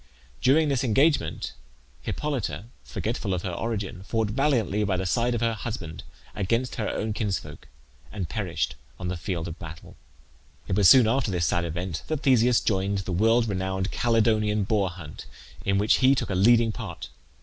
During this engagement Hippolyte, forgetful of her origin, fought valiantly by the side of her husband against her own kinsfolk, and perished on the field of battle. It was soon after this sad event that Theseus joined the world renowned Calydonian Boar hunt, in which he took a leading part.